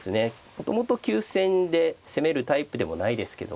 もともと急戦で攻めるタイプでもないですけども